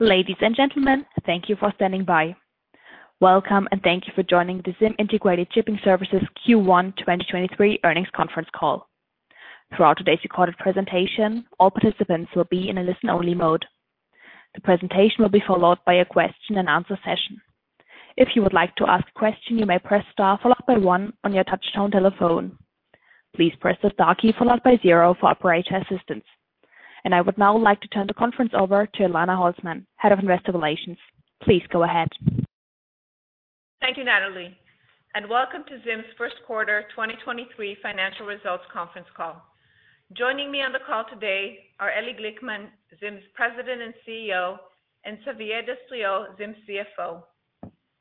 Ladies and gentlemen, thank you for standing by. Welcome, thank you for joining the ZIM Integrated Shipping Services Q1 2023 earnings conference call. Throughout today's recorded presentation, all participants will be in a listen-only mode. The presentation will be followed by a question-and-answer session. If you would like to ask a question, you may press star followed by one on your touch-tone telephone. Please press the star key followed by zero for operator assistance. I would now like to turn the conference over to Elana Holzman, Head of Investor Relations. Please go ahead. Thank you, Natalie, and welcome to ZIM's first quarter 2023 financial results conference call. Joining me on the call today are Eli Glickman, ZIM's President and CEO, and Xavier Destriau, ZIM's CFO.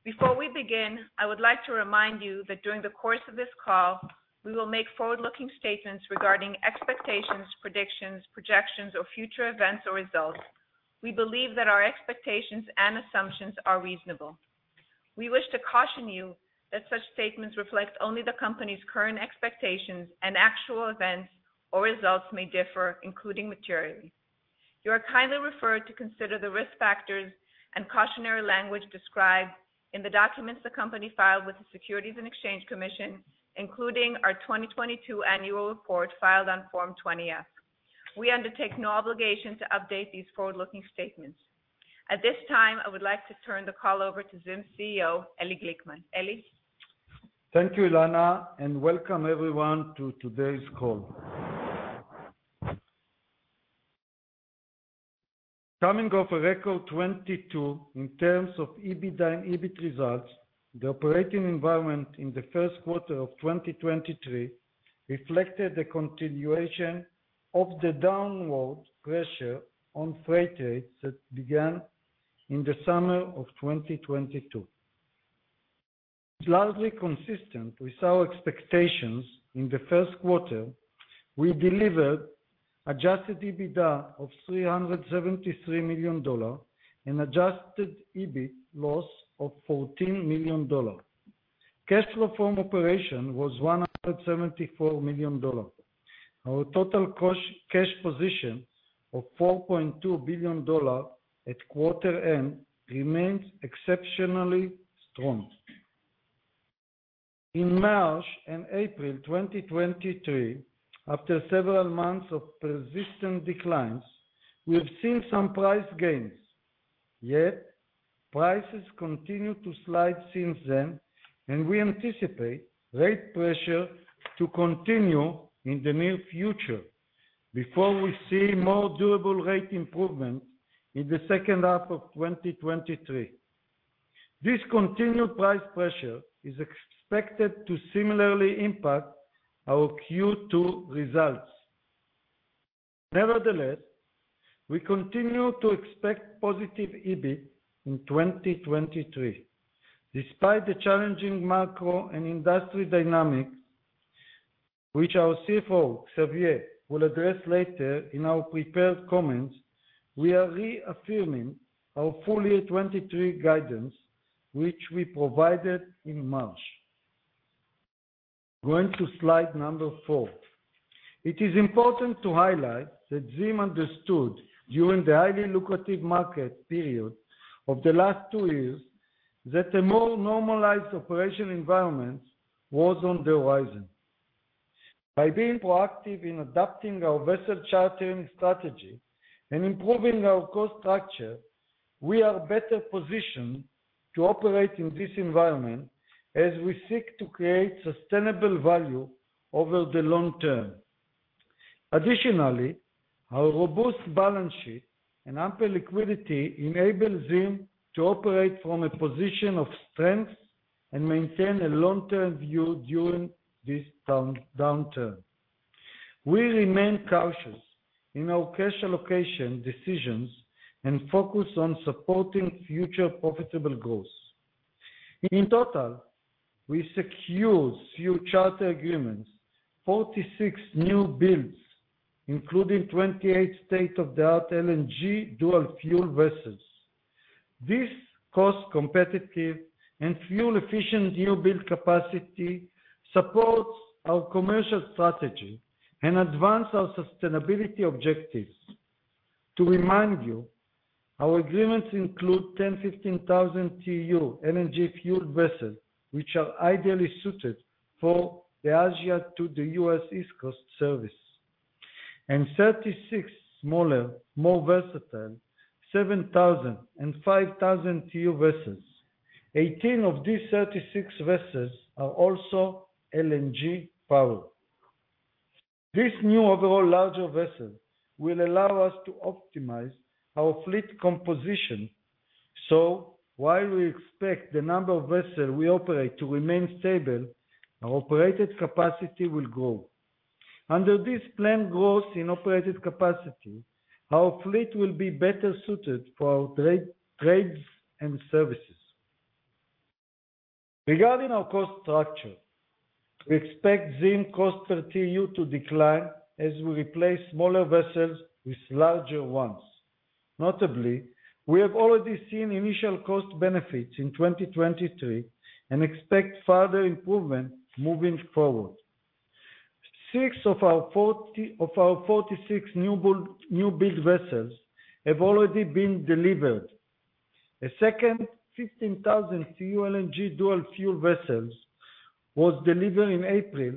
Before we begin, I would like to remind you that during the course of this call, we will make forward-looking statements regarding expectations, predictions, projections, or future events or results. We believe that our expectations and assumptions are reasonable. We wish to caution you that such statements reflect only the company's current expectations, and actual events or results may differ, including materially. You are kindly referred to consider the risk factors and cautionary language described in the documents the company filed with the Securities and Exchange Commission, including our 2022 annual report filed on Form 20-F. We undertake no obligation to update these forward-looking statements. At this time, I would like to turn the call over to ZIM's CEO, Eli Glickman. Eli. Thank you, Elana, and welcome everyone to today's call. Coming off a record 2022 in terms of EBITDA and EBIT results, the operating environment in the first quarter of 2023 reflected the continuation of the downward pressure on freight rates that began in the summer of 2022. Largely consistent with our expectations, in the first quarter, we delivered adjusted EBITDA of $373 million and adjusted EBIT loss of $14 million. Cash flow from operation was $174 million. Our total cash position of $4.2 billion at quarter end remains exceptionally strong. In March and April 2023, after several months of persistent declines, we have seen some price gains. Prices continue to slide since then, and we anticipate rate pressure to continue in the near future before we see more durable rate improvement in the second half of 2023. This continued price pressure is expected to similarly impact our Q2 results. Nevertheless, we continue to expect positive EBIT in 2023. Despite the challenging macro and industry dynamics, which our CFO, Xavier, will address later in our prepared comments, we are reaffirming our full year 2023 guidance, which we provided in March. Going to slide number 4. It is important to highlight that ZIM understood during the highly lucrative market period of the last two years that a more normalized operation environment was on the horizon. By being proactive in adapting our vessel chartering strategy and improving our cost structure, we are better positioned to operate in this environment as we seek to create sustainable value over the long term. Additionally, our robust balance sheet and ample liquidity enable ZIM to operate from a position of strength and maintain a long-term view during this downturn. We remain cautious in our cash allocation decisions and focus on supporting future profitable growth. In total, we secure new charter agreements, 46 new builds, including 28 state-of-the-art LNG dual-fuel vessels. This cost competitive and fuel-efficient new build capacity supports our commercial strategy and advance our sustainability objectives. To remind you, our agreements include 10 15,000 TEU LNG-fueled vessels, which are ideally suited for the Asia to the U.S. East Coast service. 36 smaller, more versatile, 7,000 and 5,000 TEU vessels. 18 of these 36 vessels are also LNG powered. This new overall larger vessels will allow us to optimize our fleet composition. While we expect the number of vessels we operate to remain stable, our operated capacity will grow. Under this planned growth in operated capacity, our fleet will be better suited for our trades and services. Regarding our cost structure, we expect ZIM cost per TEU to decline as we replace smaller vessels with larger ones. Notably, we have already seen initial cost benefits in 2023 and expect further improvement moving forward. 6 of our 46 new build vessels have already been delivered. A second 15,000 TEU LNG dual fuel vessels was delivered in April,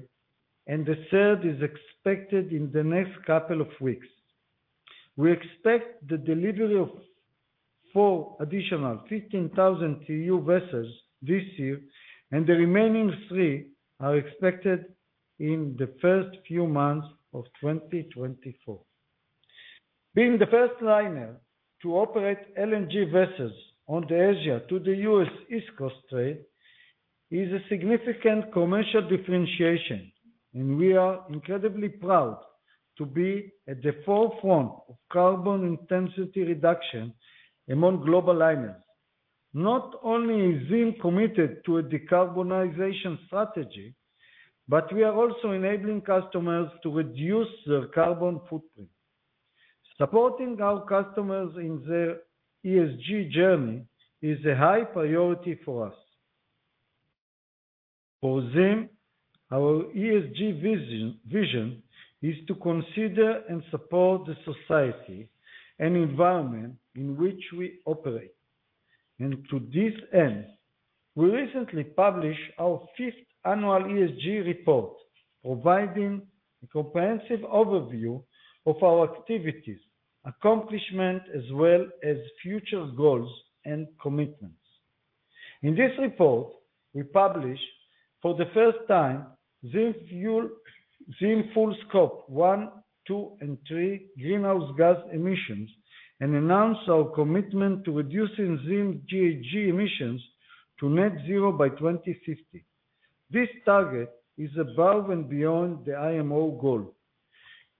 and the third is expected in the next couple of weeks. We expect the delivery of four additional 15,000 TEU vessels this year. The remaining three are expected in the first few months of 2024. Being the first liner to operate LNG vessels on the Asia to the US East Coast trade is a significant commercial differentiation, and we are incredibly proud to be at the forefront of carbon intensity reduction among global liners. Not only is ZIM committed to a decarbonization strategy, we are also enabling customers to reduce their carbon footprint. Supporting our customers in their ESG journey is a high priority for us. For ZIM, our ESG vision is to consider and support the society and environment in which we operate. To this end, we recently published our fifth annual ESG report, providing a comprehensive overview of our activities, accomplishment, as well as future goals and commitments. In this report, we publish for the first time ZIM full Scope 1, 2, and 3 greenhouse gas emissions and announce our commitment to reducing ZIM GHG emissions to net zero by 2050. This target is above and beyond the IMO goal.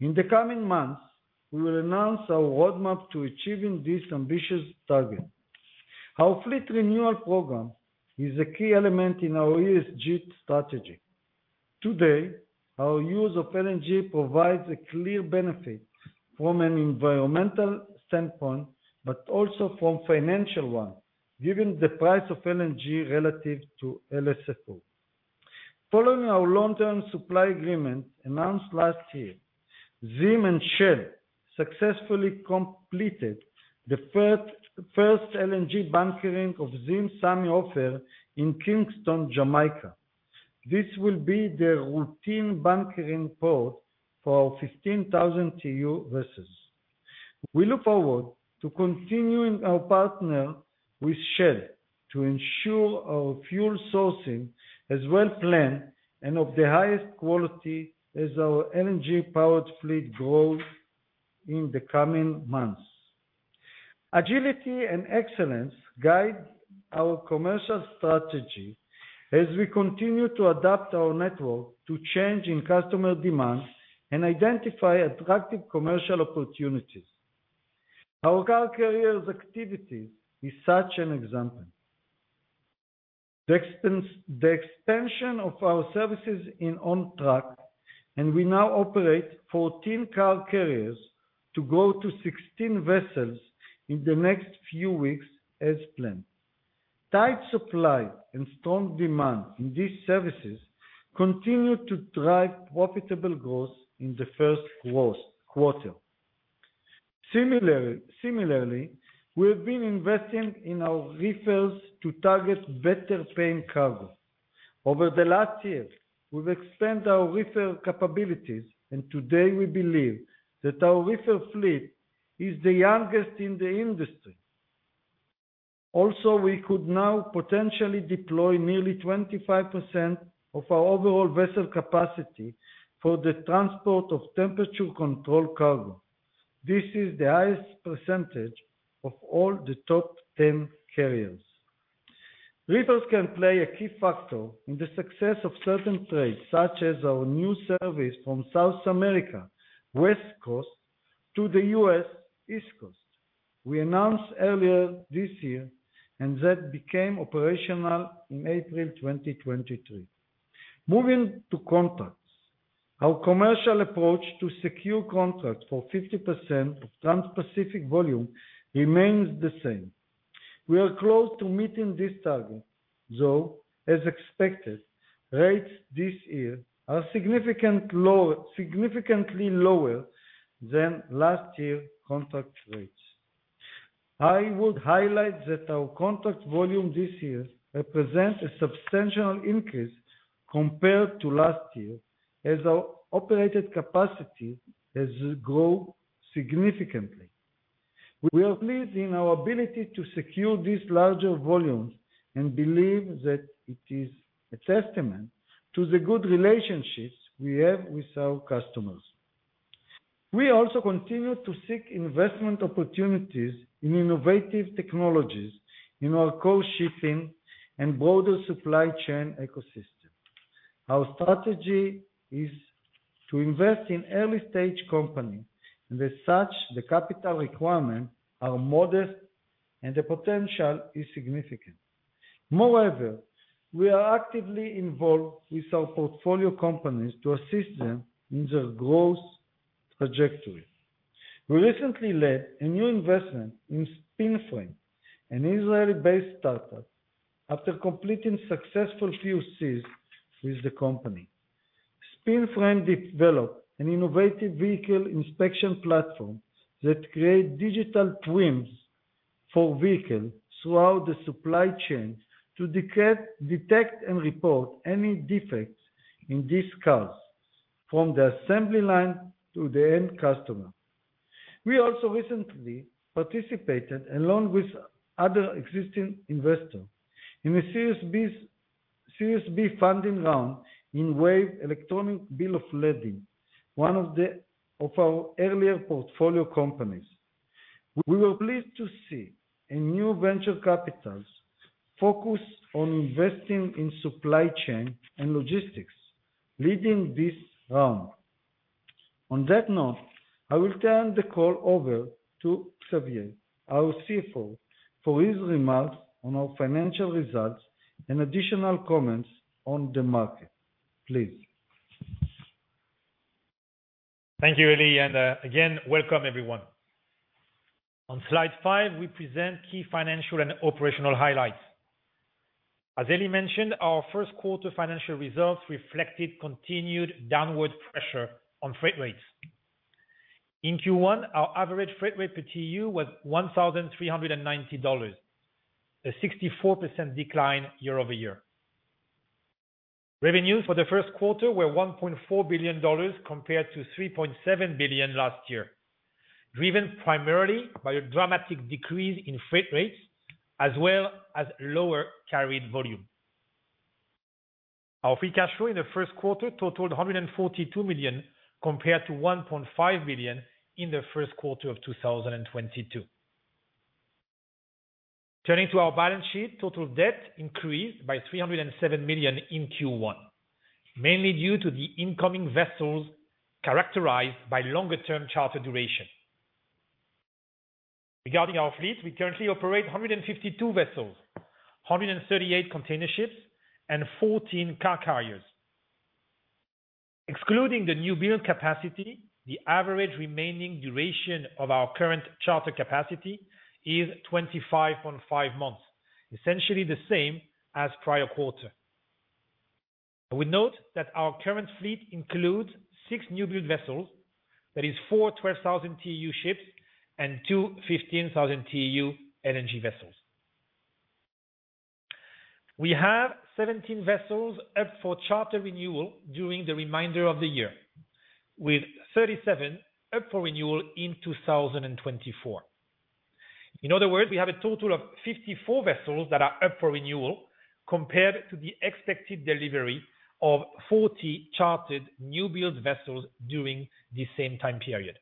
In the coming months, we will announce our roadmap to achieving this ambitious target. Our fleet renewal program is a key element in our ESG strategy. Today, our use of LNG provides a clear benefit from an environmental standpoint, but also from financial one, given the price of LNG relative to LSFO. Following our long-term supply agreement announced last year, ZIM and Shell successfully completed the first LNG bunkering of ZIM Sammy Ofer in Kingston, Jamaica. This will be the routine bunkering port for our 15,000 TEU vessels. We look forward to continuing our partner with Shell to ensure our fuel sourcing is well-planned and of the highest quality as our LNG powered fleet grows in the coming months. Agility and excellence guide our commercial strategy as we continue to adapt our network to changing customer demands and identify attractive commercial opportunities. Our car carriers activities is such an example. The extension of our services in on track, and we now operate 14 car carriers to grow to 16 vessels in the next few weeks as planned. Tight supply and strong demand in these services continue to drive profitable growth in the first quarter. Similarly, we have been investing in our reefers to target better paying cargo. Over the last year, we've expanded our reefer capabilities, and today we believe that our reefer fleet is the youngest in the industry. We could now potentially deploy nearly 25% of our overall vessel capacity for the transport of temperature controlled cargo. This is the highest % of all the top 10 carriers. Reefers can play a key factor in the success of certain trades, such as our new service from South America West Coast to the U.S. East Coast. We announced earlier this year, and that became operational in April 2023. Moving to contracts. Our commercial approach to secure contract for 50% of Transpacific volume remains the same. We are close to meeting this target, though, as expected, rates this year are significantly lower than last year contract rates. I would highlight that our contract volume this year represents a substantial increase compared to last year as our operated capacity has grown significantly. We are pleased in our ability to secure these larger volumes and believe that it is a testament to the good relationships we have with our customers. We also continue to seek investment opportunities in innovative technologies in our core shipping and broader supply chain ecosystem. Our strategy is to invest in early-stage company, and as such, the capital requirements are modest, and the potential is significant. Moreover, we are actively involved with our portfolio companies to assist them in their growth trajectory. We recently led a new investment in Spinframe, an Israeli-based startup after completing successful PoCs with the company. Spinframe developed an innovative vehicle inspection platform that create digital twins for vehicle throughout the supply chain to detect and report any defects in these cars from the assembly line to the end customer. We also recently participated along with other existing investors in the Series B funding round in Wave electronic bill of lading, one of our earlier portfolio companies. We were pleased to see a new venture capitalists focused on investing in supply chain and logistics leading this round. On that note, I will turn the call over to Xavier, our CFO, for his remarks on our financial results and additional comments on the market. Please. Thank you, Eli. Again, welcome everyone. On slide 5, we present key financial and operational highlights. As Eli mentioned, our first quarter financial results reflected continued downward pressure on freight rates. In Q1, our average freight rate per TEU was $1,390, a 64% decline year-over-year. Revenue for the first quarter were $1.4 billion compared to $3.7 billion last year, driven primarily by a dramatic decrease in freight rates as well as lower carried volume. Our free cash flow in the first quarter totaled $142 million, compared to $1.5 billion in the first quarter of 2022. Turning to our balance sheet, total debt increased by $307 million in Q1, mainly due to the incoming vessels characterized by longer term charter duration. Regarding our fleet, we currently operate 152 vessels, 138 container ships, and 14 car carriers. Excluding the newbuild capacity, the average remaining duration of our current charter capacity is 25.5 months, essentially the same as prior quarter. We note that our current fleet includes six newbuild vessels that is four 12,000 TEU ships and two 15,000 TEU LNG vessels. We have 17 vessels up for charter renewal during the remainder of the year, with 37 up for renewal in 2024. In other words, we have a total of 54 vessels that are up for renewal, compared to the expected delivery of 40 chartered newbuild vessels during the same time period.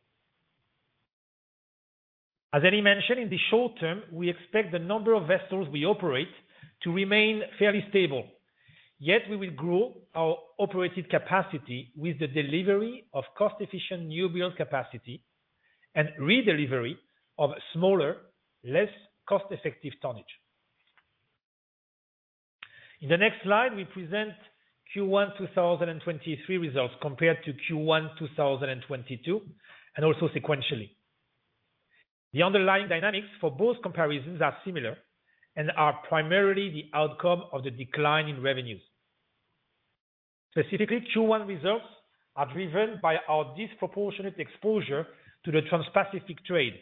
As Eli mentioned, in the short term, we expect the number of vessels we operate to remain fairly stable. We will grow our operated capacity with the delivery of cost efficient newbuild capacity and redelivery of smaller, less cost effective tonnage. In the next slide, we present Q1 2023 results compared to Q1 2022, and also sequentially. The underlying dynamics for both comparisons are similar and are primarily the outcome of the decline in revenues. Specifically, Q1 results are driven by our disproportionate exposure to the Transpacific trade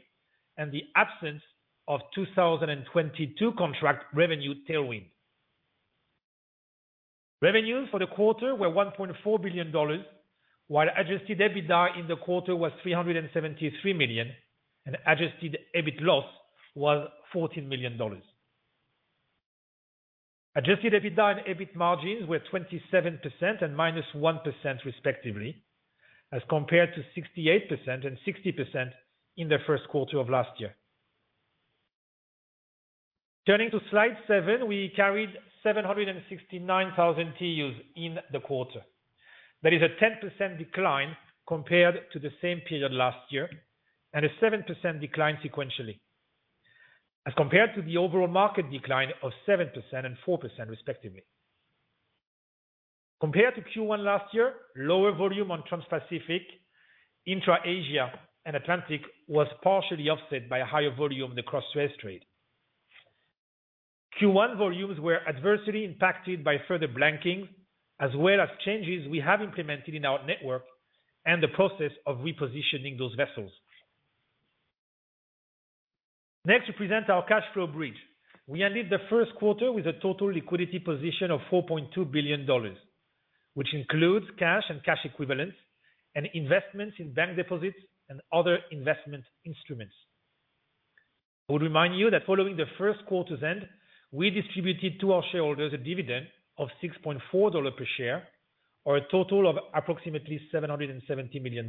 and the absence of 2022 contract revenue tailwind. Revenue for the quarter were $1.4 billion, while adjusted EBITDA in the quarter was $373 million, and adjusted EBIT loss was $14 million. Adjusted EBITDA and EBIT margins were 27% and -1% respectively, as compared to 68% and 60% in the first quarter of last year. Turning to slide 7, we carried 769,000 TEUs in the quarter. That is a 10% decline compared to the same period last year, and a 7% decline sequentially, as compared to the overall market decline of 7% and 4% respectively. Compared to Q1 last year, lower volume on Transpacific, Intra-Asia and Atlantic was partially offset by a higher volume in the cross trade. Q1 volumes were adversely impacted by further blanking as well as changes we have implemented in our network and the process of repositioning those vessels. Next, we present our cash flow bridge. We ended the first quarter with a total liquidity position of $4.2 billion, which includes cash and cash equivalents and investments in bank deposits and other investment instruments. I would remind you that following the first quarter's end, we distributed to our shareholders a dividend of $6.4 per share, or a total of approximately $770 million.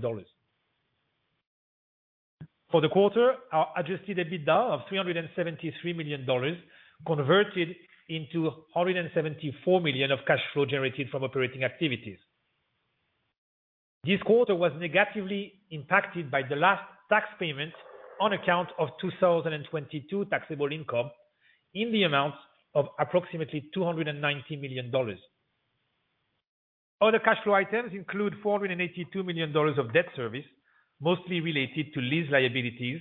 For the quarter, our adjusted EBITDA of $373 million converted into $174 million of cash flow generated from operating activities. This quarter was negatively impacted by the last tax payment on account of 2022 taxable income in the amount of approximately $290 million. Other cash flow items include $482 million of debt service, mostly related to lease liabilities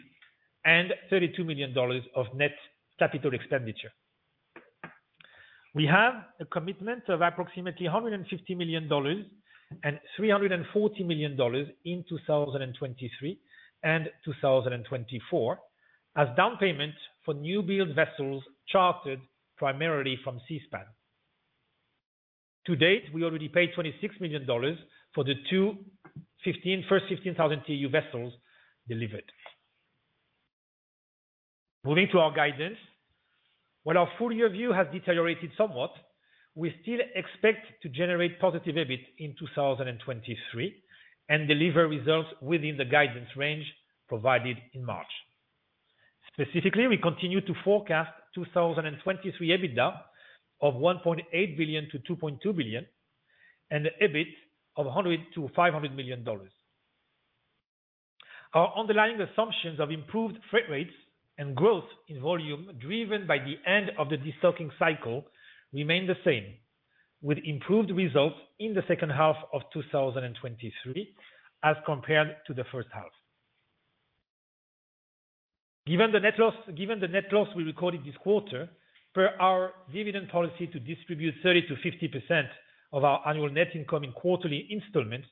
and $32 million of net capital expenditure. We have a commitment of approximately $150 million and $340 million in 2023 and 2024 as down payment for new build vessels chartered primarily from Seaspan. To date, we already paid $26 million for the first 15,000 TEU vessels delivered. Moving to our guidance. While our full year view has deteriorated somewhat, we still expect to generate positive EBIT in 2023 and deliver results within the guidance range provided in March. We continue to forecast 2023 EBITDA of $1.8 billion-$2.2 billion and EBIT of $100 million-$500 million. Our underlying assumptions of improved freight rates and growth in volume driven by the end of the de-stocking cycle remain the same, with improved results in the second half of 2023 as compared to the first half. Given the net loss we recorded this quarter, per our dividend policy to distribute 30%-50% of our annual net income in quarterly installments,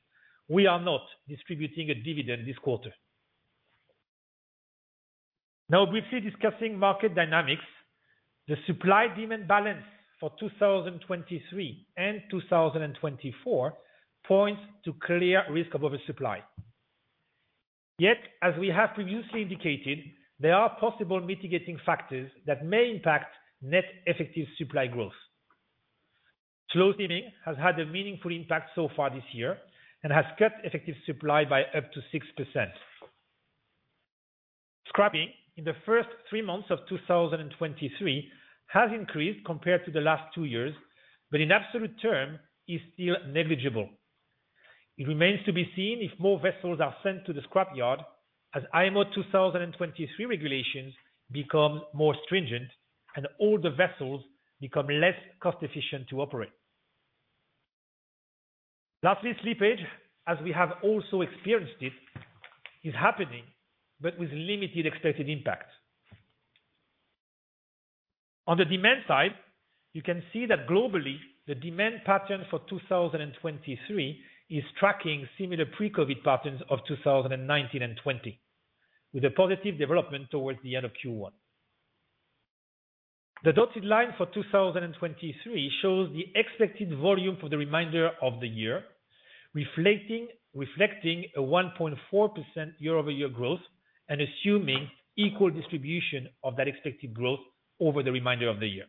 we are not distributing a dividend this quarter. Briefly discussing market dynamics. The supply-demand balance for 2023 and 2024 points to clear risk of oversupply. As we have previously indicated, there are possible mitigating factors that may impact net effective supply growth. Slow steaming has had a meaningful impact so far this year and has kept effective supply by up to 6%. Scrapping in the first three months of 2023 has increased compared to the last two years, but in absolute term is still negligible. It remains to be seen if more vessels are sent to the scrapyard as IMO 2023 regulations become more stringent and older vessels become less cost efficient to operate. Lastly, slippage, as we have also experienced it, is happening, but with limited expected impact. On the demand side, you can see that globally, the demand pattern for 2023 is tracking similar pre-COVID patterns of 2019 and 20, with a positive development towards the end of Q1. The dotted line for 2023 shows the expected volume for the reminder of the year, reflecting a 1.4% year-over-year growth and assuming equal distribution of that expected growth over the remainder of the year.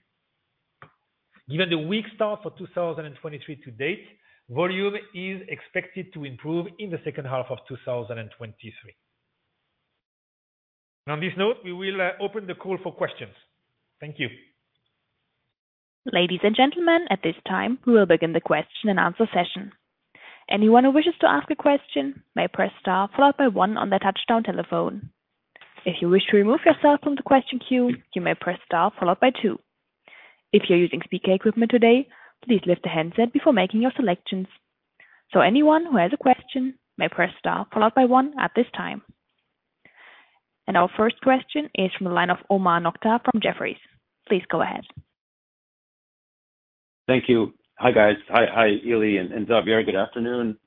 Given the weak start for 2023 to date, volume is expected to improve in the second half of 2023. On this note, we will open the call for questions. Thank you. Ladies and gentlemen, at this time, we will begin the question and answer session. Anyone who wishes to ask a question may press star followed by one on their touch-tone telephone. If you wish to remove yourself from the question queue, you may press star followed by two. If you're using speaker equipment today, please lift the handset before making your selections. Anyone who has a question may press star followed by one at this time. Our first question is from the line of Omar Nokta from Jefferies. Please go ahead. Thank you. Hi, Eli and Xavier. Good afternoon.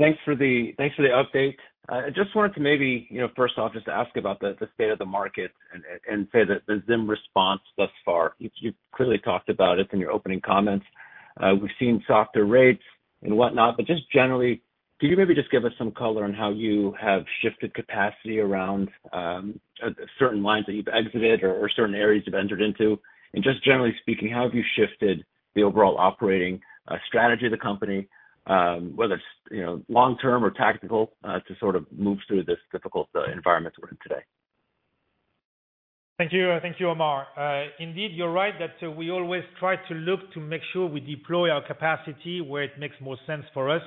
Thanks for the update. I just wanted to maybe, you know, first off, just ask about the state of the market and say the ZIM response thus far. You clearly talked about it in your opening comments. We've seen softer rates and whatnot, but just generally, can you maybe just give us some color on how you have shifted capacity around certain lines that you've exited or certain areas you've entered into? Just generally speaking, how have you shifted the overall operating strategy of the company, whether it's, you know, long-term or tactical, to sort of move through this difficult environment we're in today? Thank you. Thank you, Omar. Indeed, you're right that we always try to look to make sure we deploy our capacity where it makes more sense for us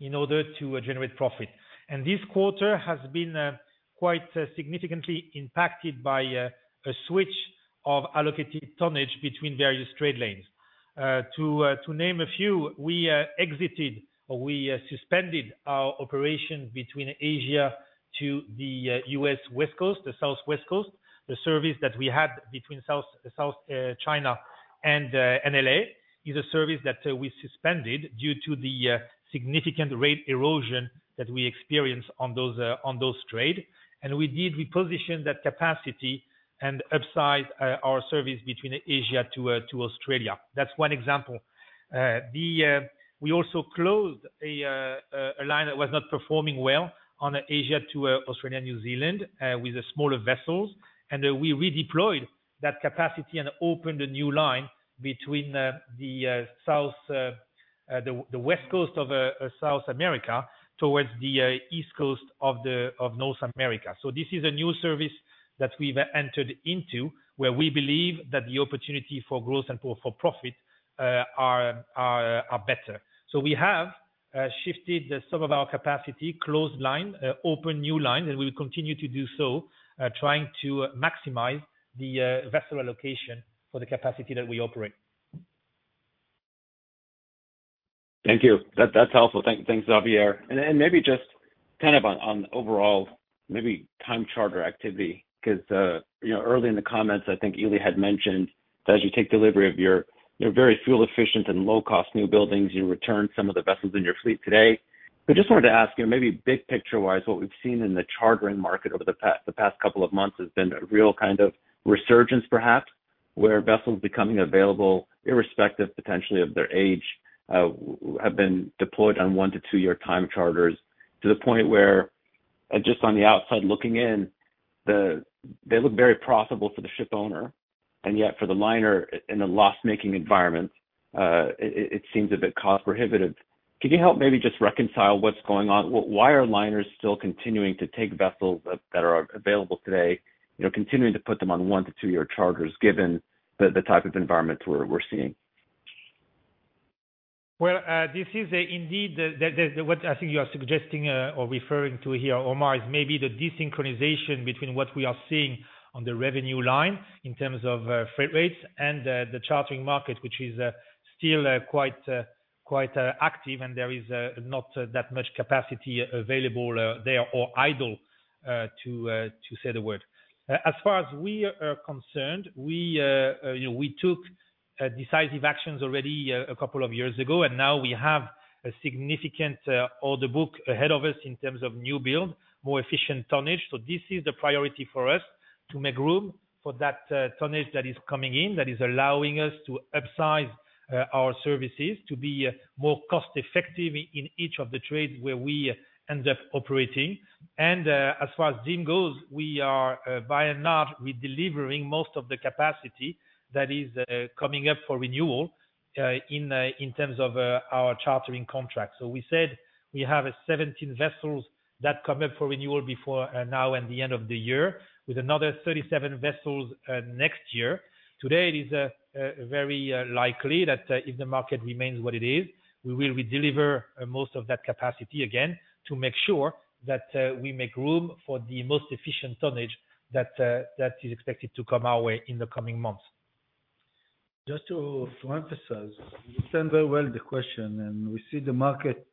in order to generate profit. This quarter has been quite significantly impacted by a switch of allocated tonnage between various trade lanes. To name a few, we exited or we suspended our operation between Asia to the U.S. West Coast, the South West Coast. The service that we had between South China and NLA is a service that we suspended due to the significant rate erosion that we experience on those on those trade. Indeed, we positioned that capacity and upside our service between Asia to Australia. That's one example. The, we also closed a line that was not performing well on Asia to Australia, New Zealand, with the smaller vessels. We redeployed that capacity and opened a new line between the South, the West Coast of South America towards the East Coast of North America. This is a new service that we've entered into where we believe that the opportunity for growth and for profit are better. We have shifted some of our capacity, closed line, open new line, and we'll continue to do so, trying to maximize the vessel allocation for the capacity that we operate. Thank you. That's helpful. Thanks, Xavier. Maybe just kind of on overall maybe time charter activity, because, you know, early in the comments, I think Eli had mentioned that as you take delivery of your very fuel efficient and low cost new buildings, you return some of the vessels in your fleet today. Just wanted to ask you maybe big picture-wise, what we've seen in the chartering market over the past couple of months has been a real kind of resurgence, perhaps, where vessels becoming available irrespective potentially of their age, have been deployed on one to two year time charters to the point where just on the outside looking in the, they look very profitable for the ship owner, and yet for the liner in a loss-making environment, it seems a bit cost prohibitive. Could you help maybe just reconcile what's going on? Why are liners still continuing to take vessels that are available today, you know, continuing to put them on one to two year charters given the type of environment we're seeing? Well, this is indeed what I think you are suggesting or referring to here, Omar, is maybe the desynchronization between what we are seeing on the revenue line in terms of freight rates and the chartering market, which is still quite active, and there is not that much capacity available there or idle to say the word. As far as we are concerned, we, you know, we took decisive actions already a couple of years ago, and now we have a significant order book ahead of us in terms of new build, more efficient tonnage. This is the priority for us to make room for that tonnage that is coming in, that is allowing us to upsize our services to be more cost effective in each of the trades where we end up operating. As far as ZIM goes, we are by and large redelivering most of the capacity that is coming up for renewal in terms of our chartering contracts. We said we have 17 vessels that come up for renewal before now and the end of the year with another 37 vessels next year. Today, it is very likely that if the market remains what it is, we will redeliver most of that capacity again to make sure that we make room for the most efficient tonnage that is expected to come our way in the coming months. Just to emphasize, you understand very well the question. We see the market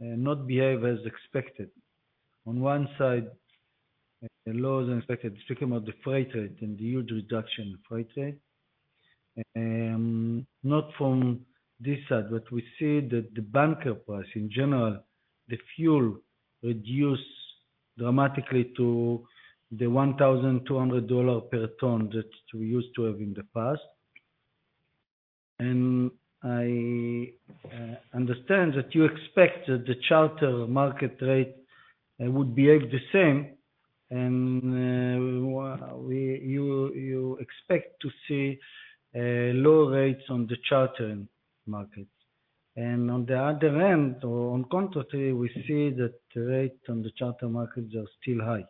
not behave as expected. On one side, lower than expected. Speaking about the freight rate and the huge reduction in freight rate. Not from this side, we see that the bunker price in general, the fuel reduce dramatically to the $1,200 per ton that we used to have in the past. I understand that you expect that the charter market rate would behave the same and you expect to see low rates on the chartering markets. On the other hand, or on contrary, we see that rates on the charter markets are still high.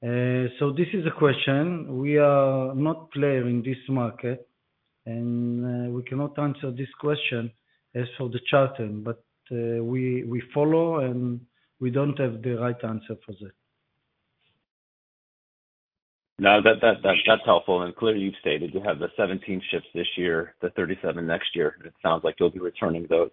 This is a question. We are not player in this market. We cannot answer this question as for the chartering. We follow, and we don't have the right answer for that. No, that's helpful. Clearly, you've stated you have the 17 ships this year, the 37 next year. It sounds like you'll be returning those.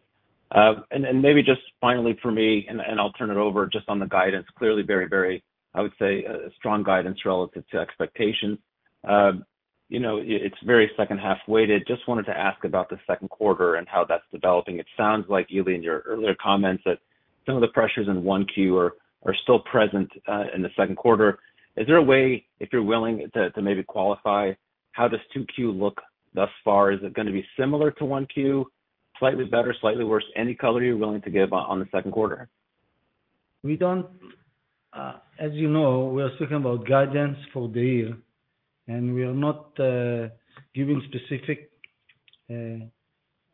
And maybe just finally for me, and I'll turn it over just on the guidance, clearly very, I would say, strong guidance relative to expec. You know, it's very second half weighted. Just wanted to ask about the second quarter and how that's developing. It sounds like, Eli, in your earlier comments that some of the pressures in 1Q are still present in the second quarter. Is there a way, if you're willing to maybe qualify how does 2Q look thus far? Is it gonna be similar to 1Q, slightly better, slightly worse? Any color you're willing to give on the second quarter? We don't, as you know, we are speaking about guidance for the year, and we are not giving specific,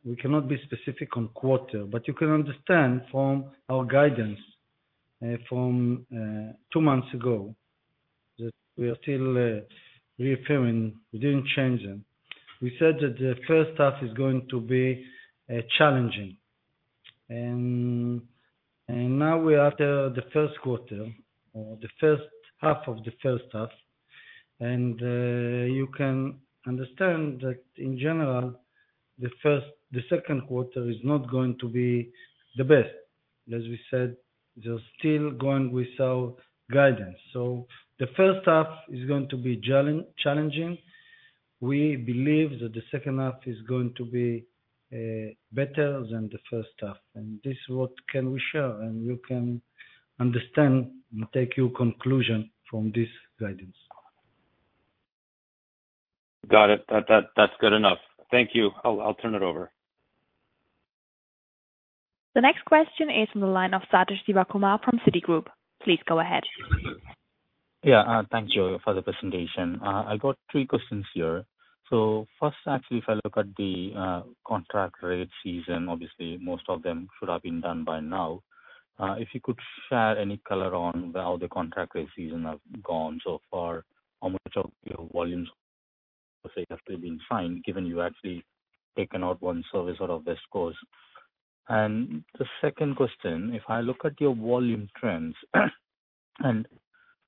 we cannot be specific on quarter, but you can understand from our guidance, from two months ago that we are still reaffirming, we didn't change them. We said that the first half is going to be challenging. Now we are at the first quarter or the first half of the first half. You can understand that in general, the second quarter is not going to be the best. As we said, we are still going with our guidance. The first half is going to be challenging. We believe that the second half is going to be better than the first half. This is what can we share, and you can understand and take your conclusion from this guidance. Got it. That, that's good enough. Thank you. I'll turn it over. The next question is from the line of Sathish Sivakumar from Citigroup. Please go ahead. Yeah. Thank you for the presentation. I got three questions here. First, actually, if I look at the contract rate season, obviously most of them should have been done by now. If you could share any color on how the contract rate season have gone so far, how much of your volumes? It has really been fine, given you actually taken out one service out of this course. The second question, if I look at your volume trends, and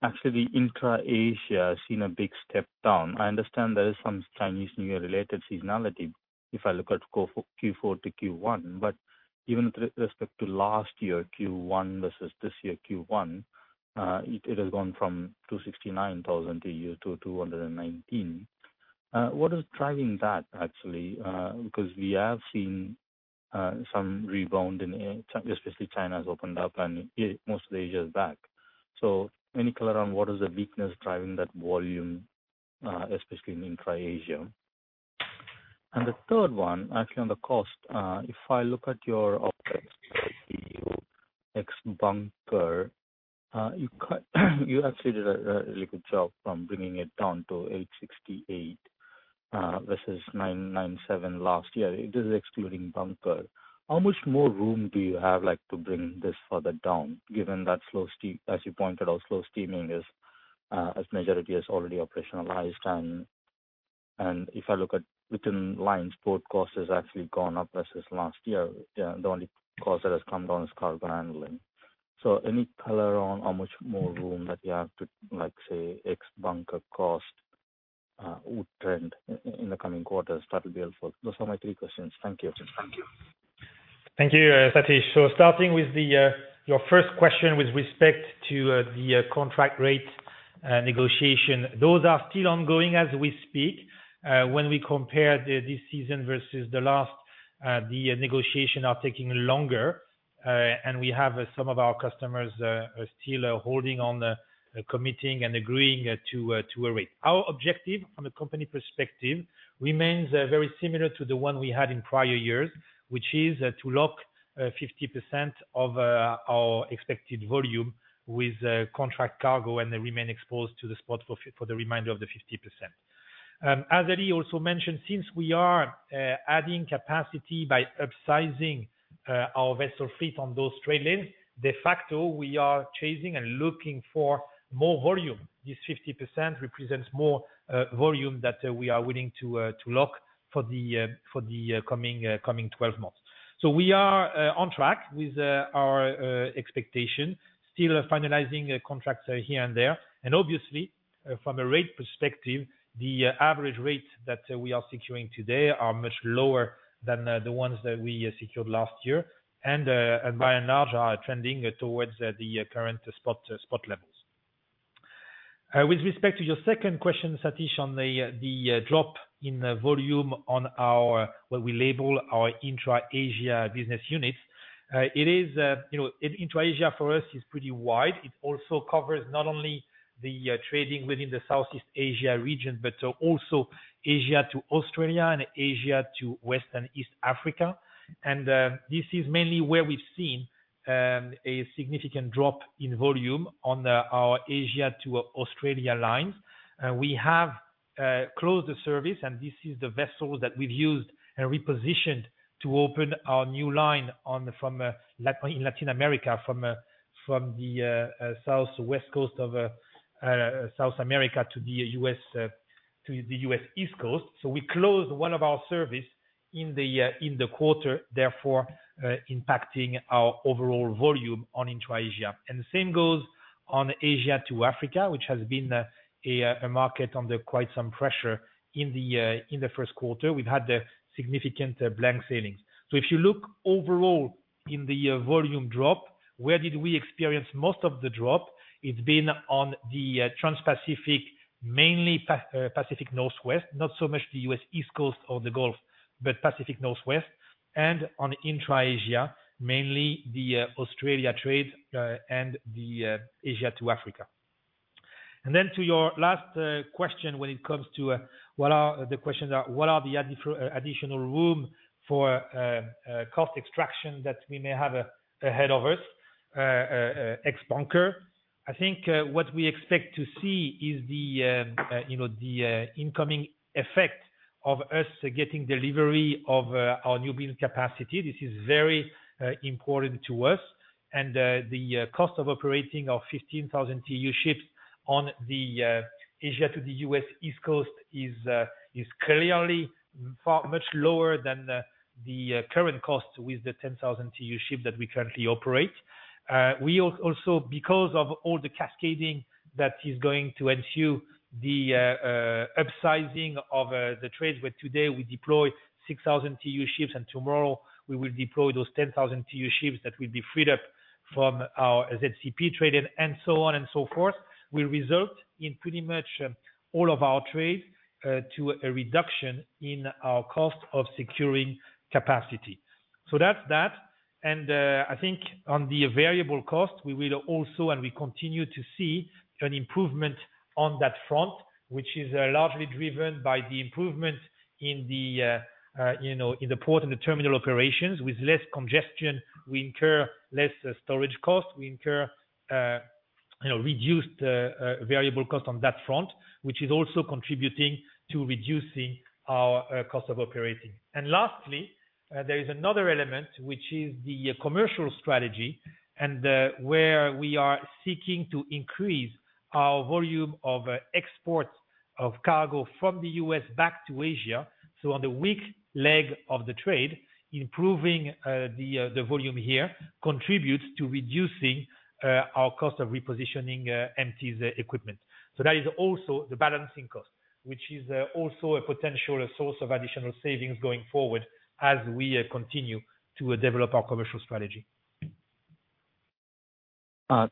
actually Intra-Asia seen a big step down. I understand there is some Chinese New Year related seasonality if I look at quarter four to Q1, but even with respect to last year, Q1 versus this year, Q1, it has gone from 269,000 to 219. What is driving that actually? Because we have seen some rebound in especially China has opened up and most of Asia is back. Any color on what is the weakness driving that volume, especially in Intra-Asia. The third one, actually on the cost, if I look at your OpEx, your ex bunker, you actually did a really good job from bringing it down to $868 versus $997 last year. It is excluding bunker. How much more room do you have, like, to bring this further down given that slow steaming, as you pointed out, slow steaming is as majority has already operationalized and if I look at within lines, port cost has actually gone up versus last year. The only cost that has come down is cargo handling. Any color on how much more room that you have to, like, say, ex bunker cost, would trend in the coming quarters? That would be helpful. Those are my three questions. Thank you. Thank you. Thank you, Sathish. Starting with your first question with respect to the contract rate negotiation, those are still ongoing as we speak. When we compare this season versus the last, the negotiation are taking longer, and we have some of our customers still holding on, committing and agreeing to a rate. Our objective from a company perspective remains very similar to the one we had in prior years, which is to lock 50% of our expected volume with contract cargo and remain exposed to the spot for the remainder of the 50%. As Eli also mentioned, since we are adding capacity by upsizing our vessel fleet on those trade lanes, de facto, we are chasing and looking for more volume. This 50% represents more volume that we are willing to lock for the coming 12 months. We are on track with our expectation, still finalizing contracts here and there. Obviously, from a rate perspective, the average rate that we are securing today are much lower than the ones that we secured last year and by and large, are trending towards the current spot levels. With respect to your second question, Satish, on the drop in volume on our, what we label our Intra-Asia business unit. It is, you know, Intra-Asia for us is pretty wide. It also covers not only the trading within the Southeast Asia region, but also Asia to Australia and Asia to West and East Africa. This is mainly where we've seen a significant drop in volume on our Asia to Australia lines. We have closed the service, and this is the vessels that we've used and repositioned to open our new line from in Latin America, from the Southwest coast of South America to the U.S., to the U.S. East Coast. We closed one of our service in the quarter, therefore, impacting our overall volume on Intra-Asia. The same goes on Asia to Africa, which has been a market under quite some pressure in the first quarter. We've had significant blank sailings. If you look overall in the volume drop, where did we experience most of the drop? It's been on the Transpacific, mainly Pacific Northwest, not so much the U.S. East Coast or the Gulf, but Pacific Northwest and on Intra-Asia, mainly the Australia trade and the Asia to Africa. To your last question when it comes to what are the additional room for cost extraction that we may have ahead of us ex bunker. I think what we expect to see is the, you know, the incoming effect of us getting delivery of our new build capacity. This is very important to us and the cost of operating our 15,000 TEU ships on the Asia to the U.S. East Coast is clearly far much lower than the current cost with the 10,000 TEU ship that we currently operate. We also, because of all the cascading that is going to ensue, the upsizing of the trades, where today we deploy 6,000 TEU ships, and tomorrow we will deploy those 10,000 TEU ships that will be freed up from our ZCP trade and so on and so forth, will result in pretty much all of our trade to a reduction in our cost of securing capacity. That's that. I think on the variable cost, we will also, and we continue to see an improvement on that front, which is largely driven by the improvement in the, you know, in the port and the terminal operations. With less congestion, we incur less storage cost, we incur, you know, reduced variable cost on that front, which is also contributing to reducing our cost of operating. Lastly, there is another element, which is the commercial strategy and where we are seeking to increase our volume of exports of cargo from the U.S. back to Asia. On the weak leg of the trade, improving the volume here contributes to reducing our cost of repositioning empty equipment. That is also the balancing cost, which is also a potential source of additional savings going forward as we continue to develop our commercial strategy.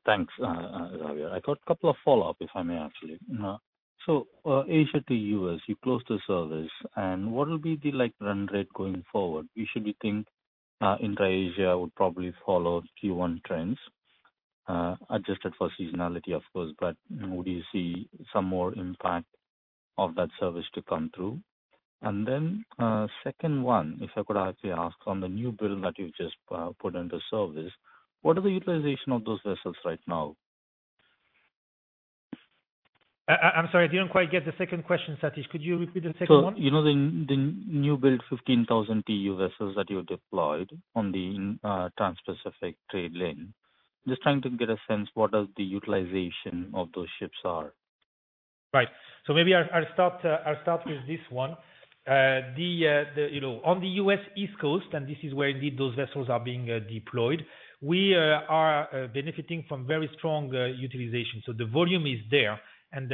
Thanks, Xavier. I got a couple of follow-up, if I may, actually Asia to U.S., you closed the service and what will be the like run rate going forward? Usually think, Intra-Asia would probably follow Q1 trends, adjusted for seasonality, of course, but would you see some more impact of that service to come through? Second one, if I could actually ask on the new build that you've just put into service, what are the utilization of those vessels right now? I'm sorry, I didn't quite get the second question, Sathish. Could you repeat the second one? You know, the new build 15,000 TEU vessels that you deployed on the Transpacific trade lane, just trying to get a sense, what is the utilization of those ships are? Right. Maybe I'll start with this one. The, you know, on the U.S. East Coast, and this is where indeed those vessels are being deployed, we are benefiting from very strong utilization. The volume is there.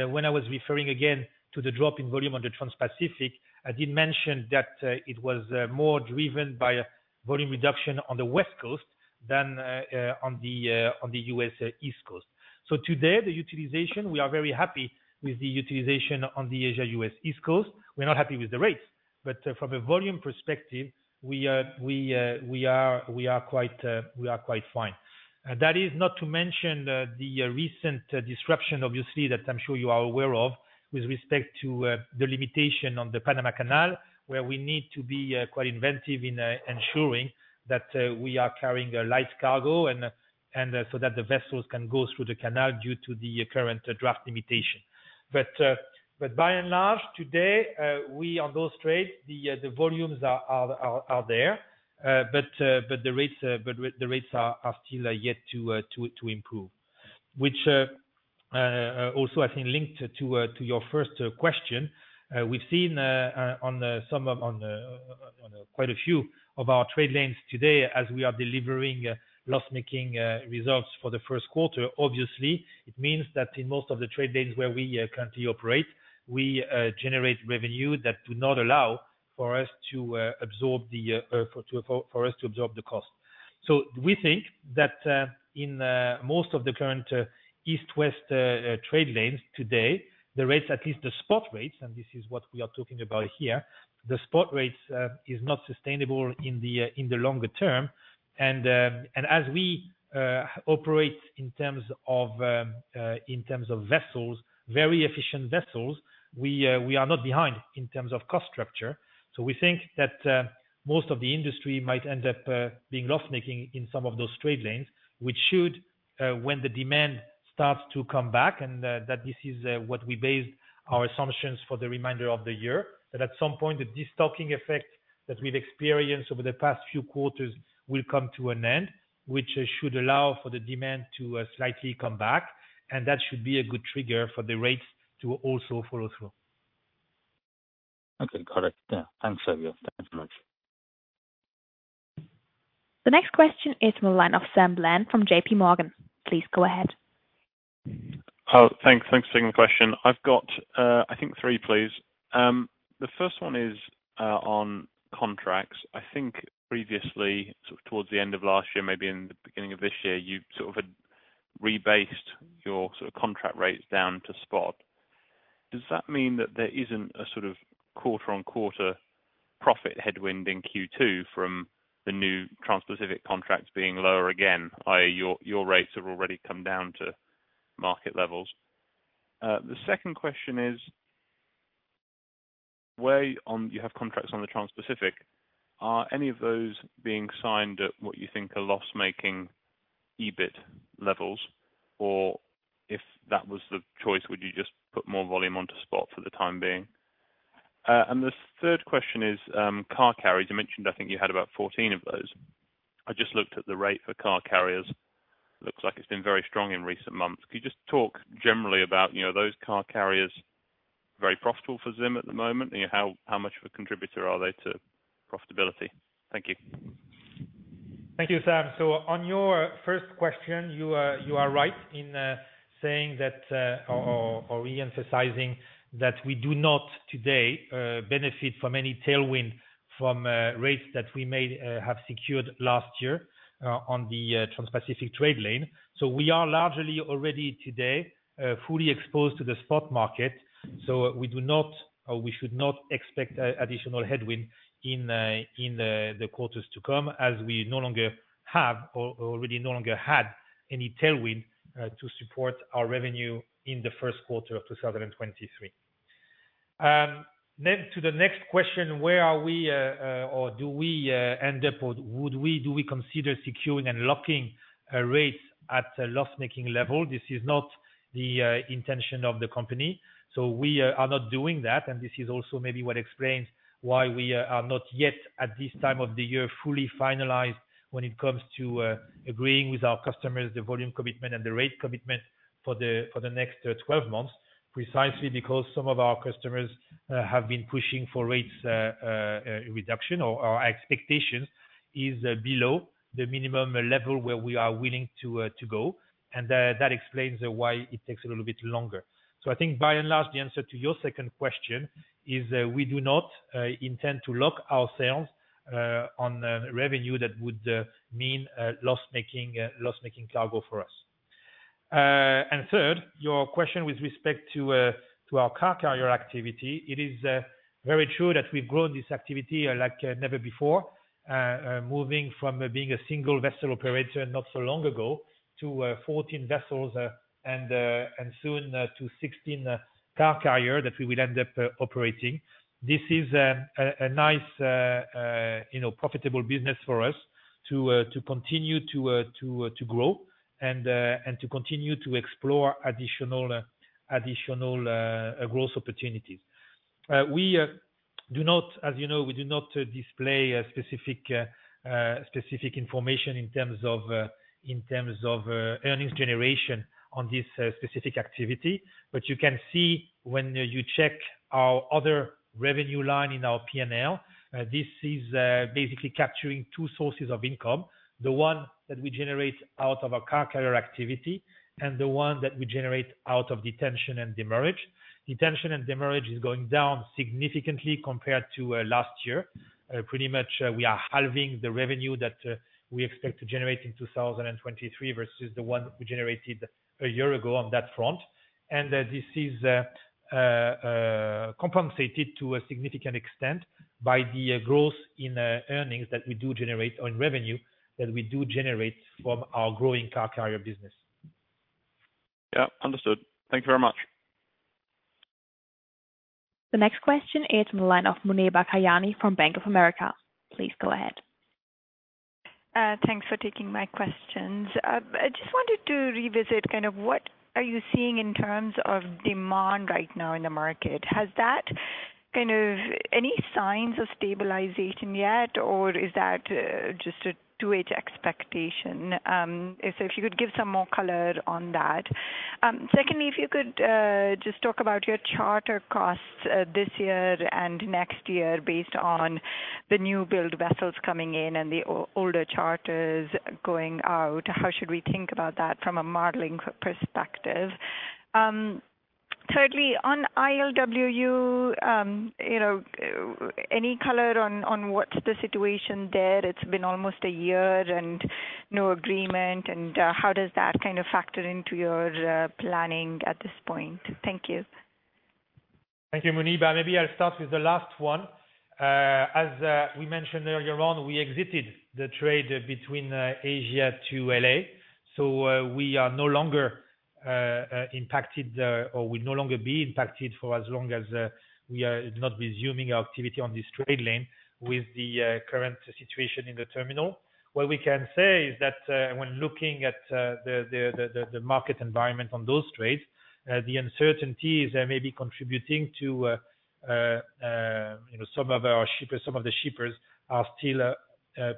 When I was referring again to the drop in volume on the Transpacific, I did mention that it was more driven by a volume reduction on the West Coasthan on the U.S. East Coast. Today, the utilization, we are very happy with the utilization on the Asia U.S. East Coast. We're not happy with the rates, but from a volume perspective, we are quite, we are quite fine. That is not to mention the recent disruption obviously, that I'm sure you are aware of, with respect to the limitation on the Panama Canal, where we need to be quite inventive in ensuring that we are carrying a light cargo and so that the vessels can go through the canal due to the current draft limitation. By and large, today, we on those trades, the volumes are there. The rates are still yet to improve, which also I think linked to your first question. We've seen some of on quite a few of our trade lanes today as we are delivering loss-making results for the first quarter. Obviously, it means that in most of the trade lanes where we currently operate, we generate revenue that do not allow for us to absorb the cost. We think that in most of the current East-West trade lanes today, the rates, at least the spot rates, and this is what we are talking about here, the spot rates, is not sustainable in the longer term. As we operate in terms of vessels, very efficient vessels, we are not behind in terms of cost structure. We think that, most of the industry might end up, being loss-making in some of those trade lanes, which should, when the demand starts to come back and, that this is, what we base our assumptions for the reminder of the year, that at some point, the de-stocking effect that we've experienced over the past few quarters will come to an end, which should allow for the demand to, slightly come back, and that should be a good trigger for the rates to also follow through. Okay. Got it. Yeah. Thanks, Xavier. Thanks so much. The next question is from the line of Sam Bland from JP Morgan. Please go ahead. Thanks. Thanks for taking the question. I've got, I think three, please. The first one is on contracts. I think previously towards the end of last year, maybe in the beginning of this year, you sort of had rebased your sort of contract rates down to spot. Does that mean that there isn't a sort of quarter-on-quarter profit headwind in Q2 from the new Transpacific contracts being lower again, i.e., your rates have already come down to market levels? The second question is, where on you have contracts on the Transpacific, are any of those being signed at what you think are loss-making EBIT levels? Or if that was the choice, would you just put more volume onto spot for the time being? The third question is, car carriers. You mentioned, I think you had about 14 of those. I just looked at the rate for car carriers. Looks like it's been very strong in recent months. Could you just talk generally about, you know, are those car carriers very profitable for ZIM at the moment? How much of a contributor are they to profitability? Thank you. Thank you, Sam. On your first question, you are right in saying that or re-emphasizing that we do not today benefit from any tailwind from rates that we may have secured last year on the Transpacific trade lane. We are largely already today fully exposed to the spot market. We do not or we should not expect additional headwind in the quarters to come, as we no longer have or already no longer had any tailwind to support our revenue in the first quarter of 2023. To the next question, where are we, or do we end up or would we consider securing and locking rates at a loss-making level? This is not the intention of the company. We are not doing that. This is also maybe what explains why we are not yet, at this time of the year, fully finalized when it comes to agreeing with our customers, the volume commitment and the rate commitment, for the next 12 months, precisely because some of our customers have been pushing for rates reduction or expectations is below the minimum level where we are willing to go. That explains why it takes a little bit longer. I think by and large, the answer to your second question is that we do not intend to lock ourselves on revenue that would mean loss making cargo for us. Third, your question with respect to our car carrier activity, it is very true that we've grown this activity like never before, moving from being a single vessel operator not so long ago to 14 vessels, and soon to 16 car carrier that we will end up operating. This is a nice, you know, profitable business for us to continue to grow and to continue to explore additional growth opportunities. We do not, as you know, we do not display specific information in terms of earnings generation on this specific activity. You can see when you check our other revenue line in our PNL, this is basically capturing two sources of income, the one that we generate out of our car carrier activity and the one that we generate out of detention and demurrage. Detention and demurrage is going down significantly compared to last year. Pretty much, we are halving the revenue that we expect to generate in 2023 versus the one we generated a year ago on that front. This is compensated to a significant extent by the growth in earnings that we do generate on revenue, that we do generate from our growing car carrier business. Yeah. Understood. Thank you very much. The next question is from the line of Muneeba Kayani from Bank of America. Please go ahead. Thanks for taking my questions. I just wanted to revisit kind of what are you seeing in terms of demand right now in the market? Has that kind of any signs of stabilization yet, or is that just a two-age expectation? If you could give some more color on that. Secondly, if you could just talk about your charter costs this year and next year based on the new build vessels coming in and the older charters going out. How should we think about that from a modeling perspective? Thirdly on ILWU, you know, any color on what's the situation there? It's been almost a year and no agreement. How does that kind of factor into your planning at this point? Thank you. Thank you, Muneeba. Maybe I'll start with the last one. As we mentioned earlier on, we exited the trade between Asia to L.A. We are no longer impacted or we no longer be impacted for as long as we are not resuming our activity on this trade lane with the current situation in the terminal. What we can say is that when looking at the market environment on those trades, the uncertainties may be contributing to, you know, some of our shippers, some of the shippers are still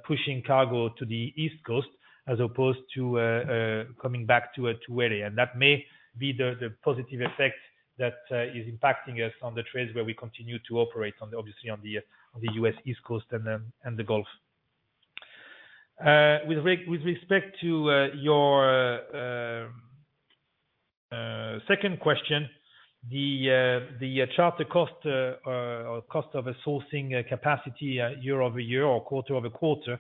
pushing cargo to the East Coast as opposed to coming back to L.A. That may be the positive effect that is impacting us on the trades where we continue to operate on the, obviously on the U.S. East Coast and the Gulf. With respect to your second question, the charter cost or cost of sourcing capacity year-over-year or quarter-over-quarter,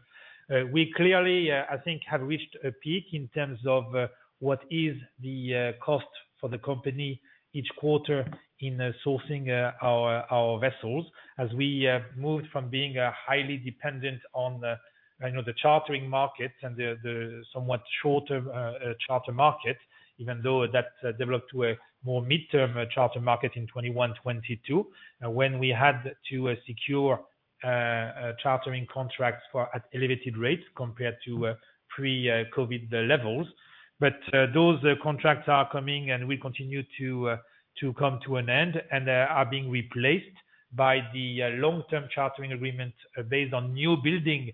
we clearly, I think, have reached a peak in terms of what is the cost for the company each quarter in sourcing our vessels as we move from being highly dependent on the, you know, the chartering markets and the somewhat shorter charter market, even though that developed to a more midterm charter market in 2021, 2022, when we had to secure chartering contracts for at elevated rates compared to pre-COVID levels. Those contracts are coming and will continue to come to an end and are being replaced by the long-term chartering agreements based on new building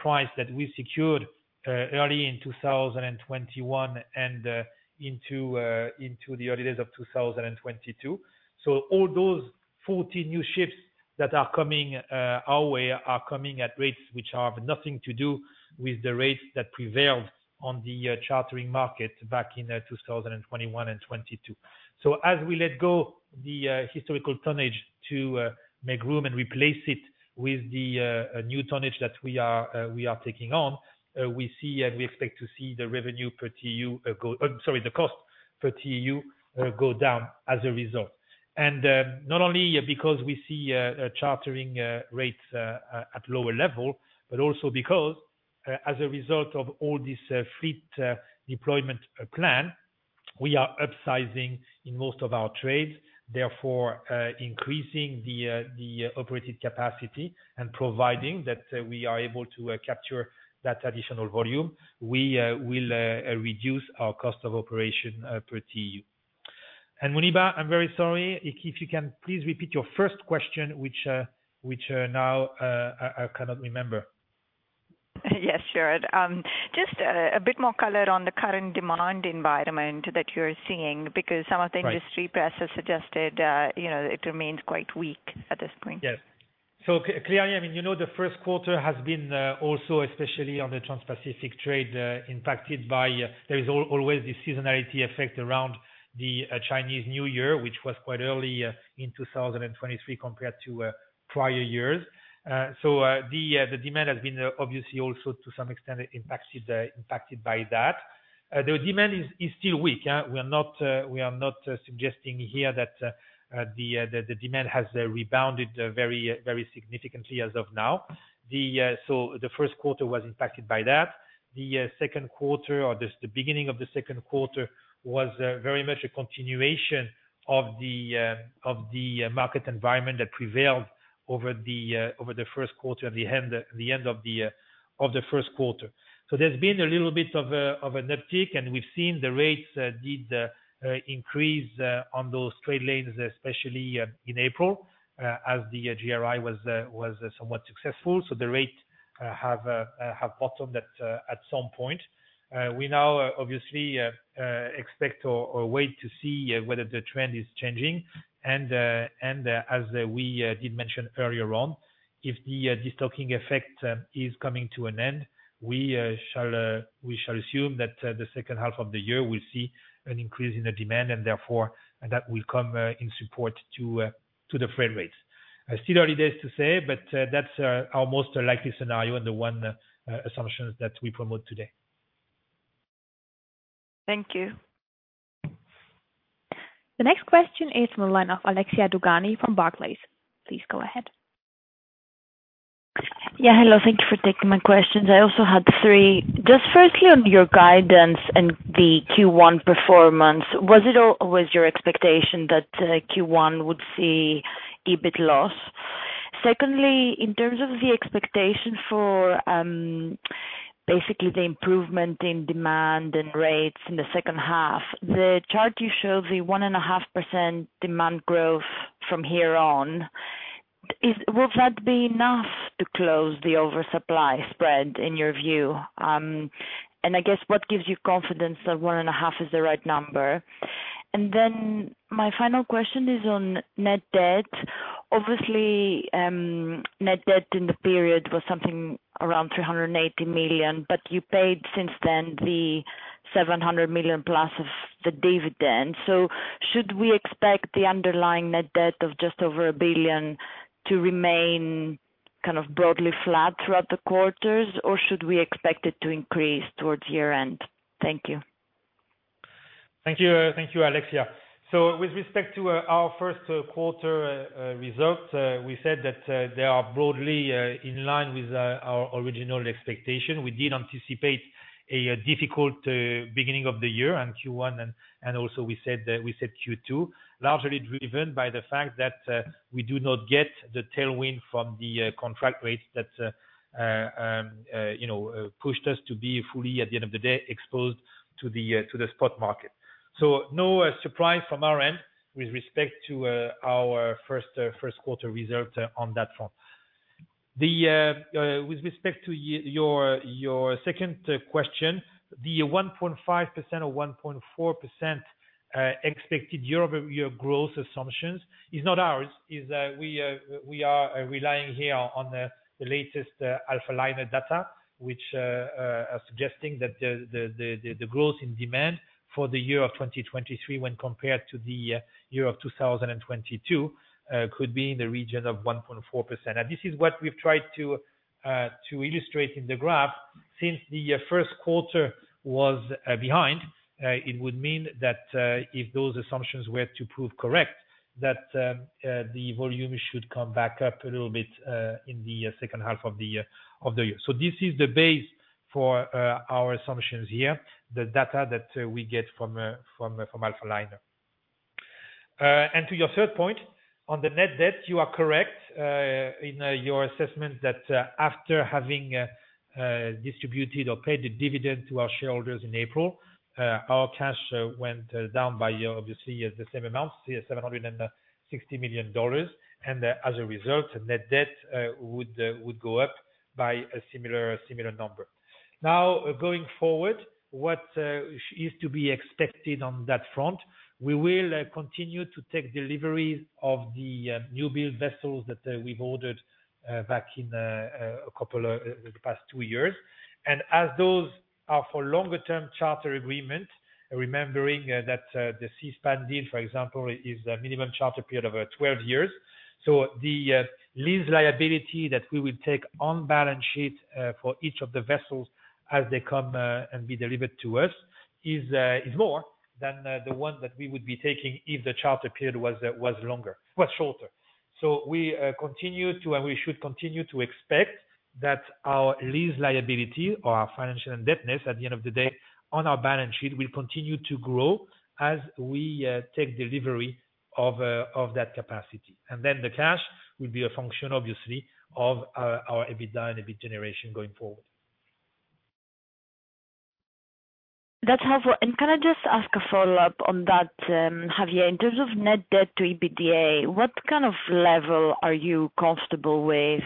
price that we secured early in 2021 and into the early days of 2022. All those 40 new ships that are coming our way are coming at rates which have nothing to do with the rates that prevailed on the chartering market back in 2021 and 2022. As we let go the historical tonnage to make room and replace it with the new tonnage that we are we are taking on, we see and we expect to see the revenue per TEU, sorry, the cost per TEU go down as a result. Not only because we see chartering rates at lower level, but also because as a result of all this fleet deployment plan, we are upsizing in most of our trades. Therefore, increasing the operated capacity and providing that we are able to capture that additional volume. We will reduce our cost of operation per TEU. Muneeba, I'm very sorry if you can please repeat your first question which now I cannot remember. Yes, sure. Just a bit more color on the current demand environment that you're seeing. Right. The industry press has suggested, you know, it remains quite weak at this point. Yes. Clear, I mean, you know, the first quarter has been also especially on the Transpacific trade impacted by there is always the seasonality effect around the Chinese New Year, which was quite early in 2023 compared to prior years. The demand has been obviously also to some extent impacted by that. The demand is still weak. We are not suggesting here that the demand has rebounded very significantly as of now. The first quarter was impacted by that. The second quarter or the beginning of the second quarter was very much a continuation of the market environment that prevailed over the first quarter, at the end of the first quarter. There's been a little bit of an uptick, and we've seen the rates did increase on those trade lanes, especially in April, as the GRI was somewhat successful. The rate have bottomed at some point. We now obviously expect or wait to see whether the trend is changing. As we did mention earlier on, if the de-stocking effect is coming to an end, we shall assume that the second half of the year will see an increase in the demand and therefore that will come in support to the freight rates. Still early days to say, but that's our most likely scenario and the one assumption that we promote today. Thank you. The next question is from the line of Alexia Dogani from Barclays. Please go ahead. Yeah, hello. Thank you for taking my questions. I also had three. Just firstly on your guidance and the Q1 performance, was it your expectation that Q1 would see EBIT loss? Secondly, in terms of the expectation for, basically the improvement in demand and rates in the second half, the chart you show the 1.5% demand growth from here on, would that be enough to close the oversupply spread in your view? I guess what gives you confidence that 1.5 is the right number? My final question is on net debt. Obviously, net debt in the period was something around $380 million, you paid since then the $700 million plus of the dividend. Should we expect the underlying net debt of just over $1 billion to remain kind of broadly flat throughout the quarters, or should we expect it to increase towards year-end? Thank you. Thank you. Thank you, Alexia. With respect to our first quarter results, we said that they are broadly in line with our original expectation. We did anticipate a difficult beginning of the year and Q1, and also we said Q2, largely driven by the fact that we do not get the tailwind from the contract rates that, you know, pushed us to be fully, at the end of the day, exposed to the spot market. No surprise from our end with respect to our first quarter results on that front. The with respect to your second question, the 1.5% or 1.4% expected year-over-year growth assumptions is not ours, we are relying here on the latest Alphaliner data, which are suggesting that the growth in demand for the year of 2023 when compared to the year of 2022 could be in the region of 1.4%. This is what we've tried to illustrate in the graph. Since the first quarter was behind, it would mean that if those assumptions were to prove correct, that the volume should come back up a little bit in the second half of the year. This is the base for our assumptions here, the data that we get from Alphaliner. To your third point, on the net debt, you are correct in your assessment that after having distributed or paid a dividend to our shareholders in April, our cash went down by obviously the same amount, see a $760 million. As a result, net debt would go up by a similar number. Going forward, what is to be expected on that front, we will continue to take deliveries of the new build vessels that we've ordered back in a couple of the past two years. As those are for longer term charter agreements, remembering that the Seaspan deal, for example, is a minimum charter period of 12 years. The lease liability that we will take on balance sheet for each of the vessels as they come and be delivered to us is more than the one that we would be taking if the charter period was shorter. We should continue to expect that our lease liability or our financial indebtedness at the end of the day on our balance sheet will continue to grow as we take delivery of that capacity. The cash will be a function, obviously, of our EBITDA and EBIT generation going forward. That's helpful. Can I just ask a follow-up on that, Xavier? In terms of net debt to EBITDA, what kind of level are you comfortable with,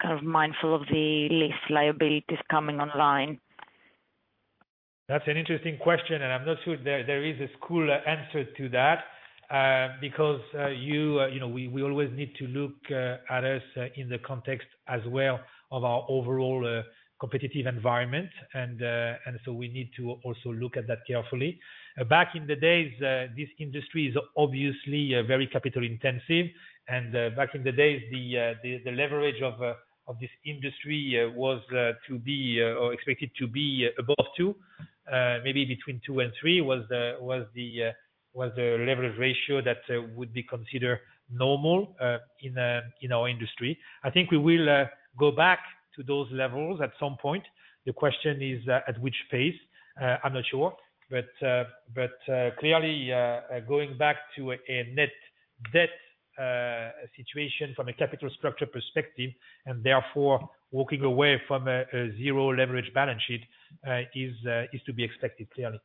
kind of mindful of the lease liabilities coming online? That's an interesting question, and I'm not sure there is a cooler answer to that, because, you know, we always need to look at us in the context as well of our overall competitive environment. We need to also look at that carefully. Back in the days, this industry is obviously very capital intensive, and back in the days, the leverage of this industry was to be or expected to be above 2. Maybe between 2 and 3 was the leverage ratio that would be considered normal in our industry. I think we will go back to those levels at some point. The question is, at which phase? I'm not sure. Clearly, going back to a net debt situation from a capital structure perspective, and therefore walking away from a zero leverage balance sheet, is to be expected, clearly.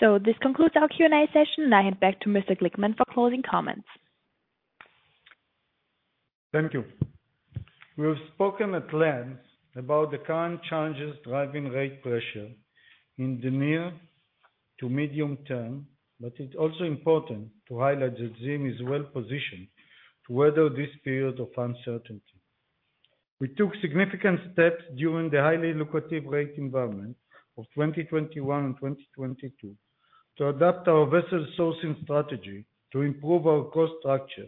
This concludes our Q&A session. Now back to Mr. Glickman for closing comments. Thank you. We've spoken at length about the current challenges driving rate pressure in the near to medium term, it's also important to highlight that ZIM is well-positioned to weather this period of uncertainty. We took significant steps during the highly lucrative rate environment of 2021 and 2022 to adapt our vessel sourcing strategy to improve our cost structure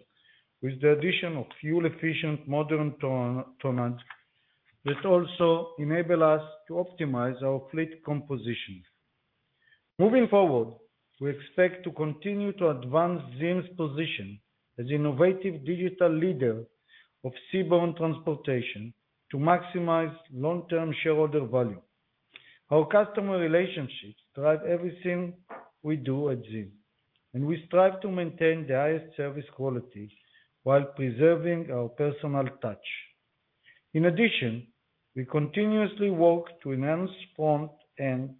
with the addition of fuel efficient modern tonnage that also enable us to optimize our fleet composition. Moving forward, we expect to continue to advance ZIM's position as innovative digital leader of seaborne transportation to maximize long-term shareholder value. Our customer relationships drive everything we do at ZIM, we strive to maintain the highest service quality while preserving our personal touch. In addition, we continuously work to enhance front-end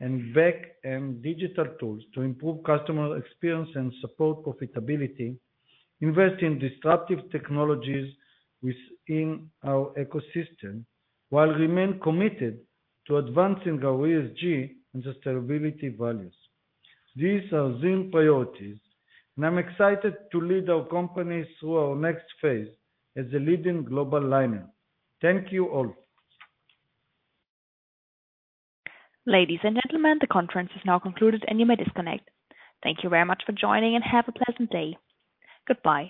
and back-end digital tools to improve customer experience and support profitability, invest in disruptive technologies within our ecosystem, while remain committed to advancing our ESG and sustainability values. These are ZIM priorities, and I'm excited to lead our company through our next phase as a leading global liner. Thank you all. Ladies and gentlemen, the conference is now concluded and you may disconnect. Thank you very much for joining, and have a pleasant day. Goodbye.